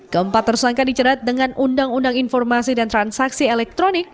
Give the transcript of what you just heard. keempat tersangka dicerat dengan undang undang informasi dan transaksi elektronik